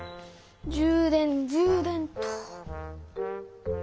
充電充電っと。